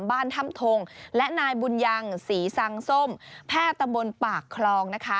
บ้านถ้ำทงและนายบุญยังศรีสังส้มแพทย์ตำบลปากคลองนะคะ